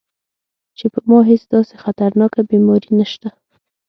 چې پۀ ما هېڅ داسې خطرناکه بيماري نشته -